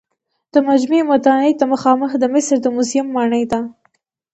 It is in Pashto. د مجمع ودانۍ ته مخامخ د مصر د موزیم ماڼۍ ده.